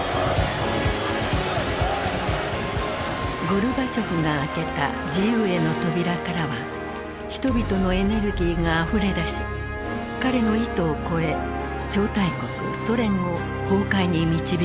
ゴルバチョフが開けた自由への扉からは人々のエネルギーがあふれ出し彼の意図を超え超大国ソ連を崩壊に導いていく。